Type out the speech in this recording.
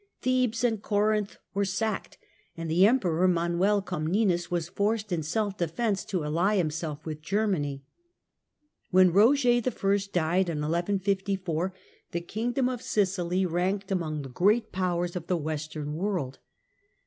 Thebes and Corinth were sacked, and the Emperor Manuel Comnenus was forced in self defence to ally himself with Germany. When Eoger I. died in 1154, the kingdom of Sicily ranked among the great powers of the Western world.